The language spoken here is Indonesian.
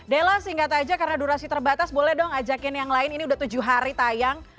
della singkat aja karena durasi terbatas boleh dong ajakin yang lain ini udah tujuh hari tayang